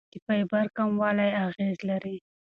د فایبر کموالی اغېز لري.